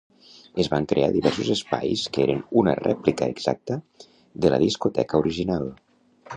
Es van crear diversos espais que eren una rèplica exacta de la discoteca original.